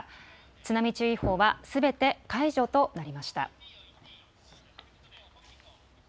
津波注意報はすべて解除となりました。